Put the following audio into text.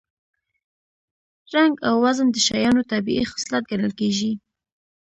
رنګ او وزن د شیانو طبیعي خصلت ګڼل کېږي